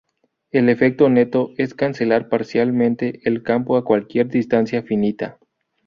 El efecto neto es cancelar parcialmente el campo a cualquier distancia finita.